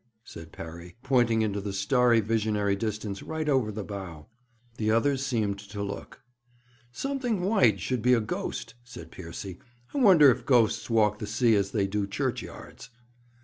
said Parry, pointing into the starry visionary distance, right over the bow. The others seemed to look. 'Something white should be a ghost,' said Piercy. 'I wonder if ghosts walk the sea as they do churchyards?'